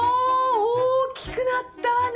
大きくなったわね！